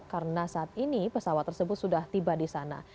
karena saat ini pesawat tersebut sudah tiba di sana